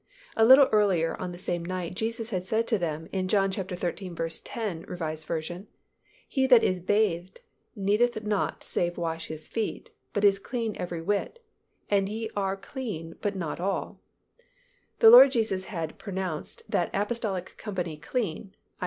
A little earlier on the same night Jesus had said to them in John xiii. 10, R. V., "He that is bathed needeth not save to wash his feet, but is clean every whit: and ye are clean but not all." The Lord Jesus had pronounced that apostolic company clean—_i.